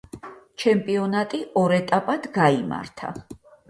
ჩემპიონატი ორ ეტაპად გაიმართა.